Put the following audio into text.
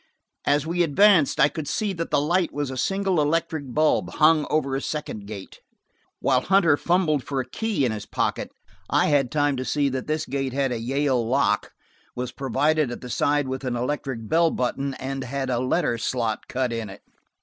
As we advanced, I could see that the light was a single electric bulb, hung over a second gate. While Hunter fumbled for a key in his pocket, I had time to see that this gate had a Yale lock, was provided, at the side, with an electric bell button, and had a letter slot cut in it.